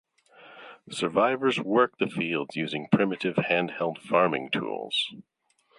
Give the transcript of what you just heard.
Survivors work the fields using primitive hand-held farming tools.